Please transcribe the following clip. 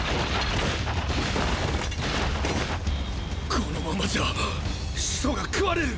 このままじゃ始祖が食われる！！